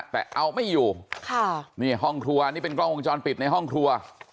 แต่เอาไม่อยู่ค่ะนี่ห้องครัวนี่เป็นกล้องวงจรปิดในห้องครัว